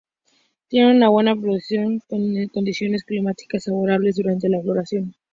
Tiene una buena productividad con condiciones climáticas favorables durante la floración.